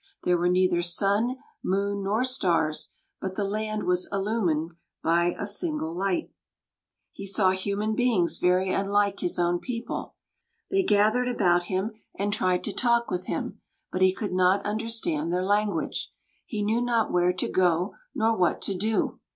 There were neither sun, moon, nor stars; but the land was illumined by a singular light. He saw human beings very unlike his own people. They gathered about him, and tried to talk with him; but he could not understand their language. He knew not where to go nor what to do.